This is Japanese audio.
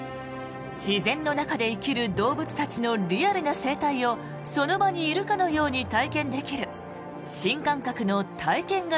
自然の中で生きる動物たちのリアルな生態をその場にいるかのように体験できる新感覚の体験型